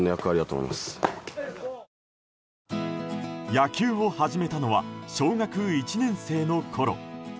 野球を始めたのは小学１年生のころ。